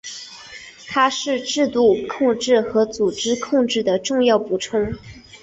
它是制度控制和组织控制的重要补充。